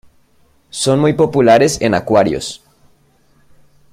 Son muy populares en acuarios.